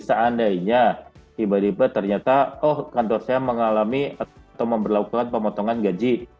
seandainya tiba tiba ternyata oh kantor saya mengalami atau memperlakukan pemotongan gaji